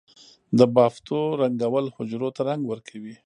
د بافتو رنگول حجرو ته رنګ ورکوي.